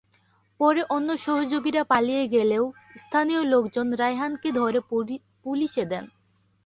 পরে অন্য সহযোগীরা পালিয়ে গেলেও স্থানীয় লোকজন রায়হানকে ধরে পুলিশে দেন।